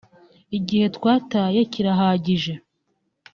igihe twataye kirahagije